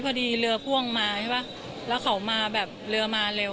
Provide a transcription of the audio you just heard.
พูดสิทธิ์ข่าวธรรมดาทีวีรายงานสดจากโรงพยาบาลพระนครศรีอยุธยาครับ